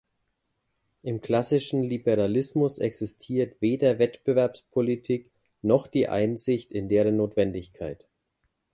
Im klassischen Liberalismus existiert weder Wettbewerbspolitik, noch die Einsicht in deren Notwendigkeit.